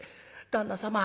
旦那様